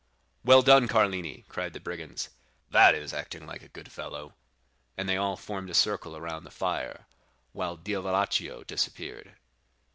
"'Well done, Carlini!' cried the brigands; 'that is acting like a good fellow;' and they all formed a circle round the fire, while Diavolaccio disappeared.